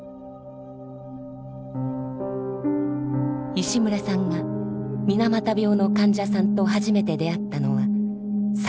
石牟礼さんが水俣病の患者さんと初めて出会ったのは３２歳。